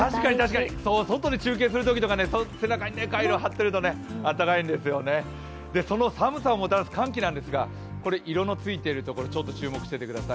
外で中継するとき、背中にカイロを貼っておくと暖かいんですよね、その寒さをもたらす寒気なんですが色のついているところちょっと注目しておいてください。